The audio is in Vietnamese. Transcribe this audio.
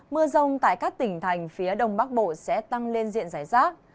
mưa rông tại các tỉnh thành phía đông bắc bộ sẽ tăng lên diện giải rác